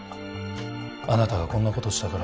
あなたがこんなことをしたから